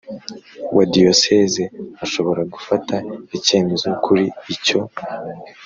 wa Diyosezi ashobora gufata icyemezo kuri icyo